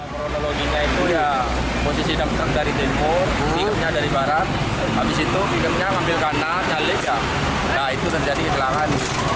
kronologinya itu ya posisi dari depo pickupnya dari barat habis itu pickupnya ngambil kanan nyalik ya itu terjadi kecelakaan